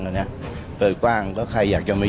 ก็ไม่ต้องไปถามเค้าดิ